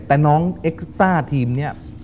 แต่น้องเอ็กซ์ต้าทีมเนี่ย